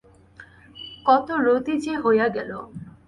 কত রােতই যে হইয়া গেল!